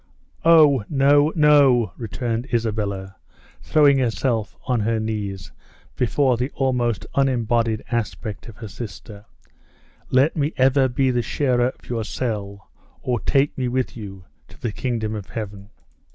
"O, no, no," returned Isabella, throwing herself on her knees before the almost unembodied aspect of her sister; "let me ever be the sharer of your cell, or take me with you to the kingdom of Heaven!"